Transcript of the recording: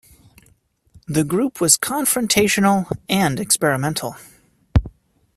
The group was confrontational and experimental.